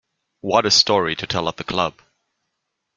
What a story to tell at the club.